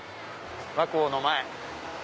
和光の前。